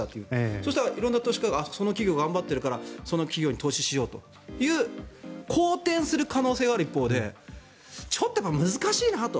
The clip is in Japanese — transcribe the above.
そうしたら色んな投資家がその企業、頑張ってるからその企業に投資しようという好転する可能性がある一方でちょっと難しいなと。